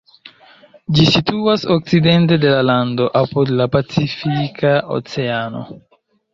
Ĝi situas okcidente de la lando, apud la Pacifika Oceano.